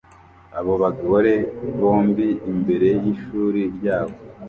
abo bagore bombi imbere y’ishuri ryabo